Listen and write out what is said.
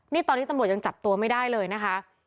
นี่ตอนนี้ตำรวจยังจับตัวไม่ได้เลยนะคะ